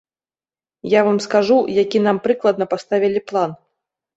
Я вам скажу, які нам прыкладна паставілі план.